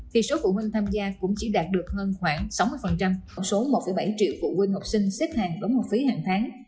thì số phụ huynh tham gia cũng chỉ đạt được hơn khoảng sáu mươi tổng số một bảy triệu phụ huynh học sinh xếp hàng đóng học phí hàng tháng